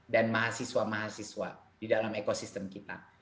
dan mahasiswa mahasiswa di dalam ekosistem kita